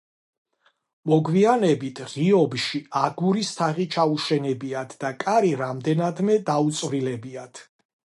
მოგვიანებით ღიობში აგურის თაღი ჩაუშენებიათ და კარი რამდენადმე დაუწვრილებიათ.